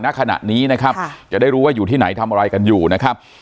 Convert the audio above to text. ณขณะนี้นะครับจะได้รู้ว่าอยู่ที่ไหนทำอะไรกันอยู่นะครับ